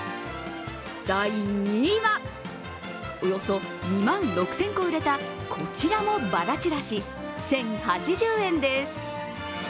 第２位はおよそ２万６０００個売れた、こちらもバラちらし、１０８０円です。